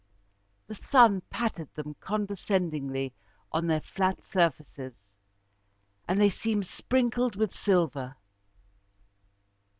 The sun patted them condescendingly on their flat surfaces, and they seemed sprinkled with silver.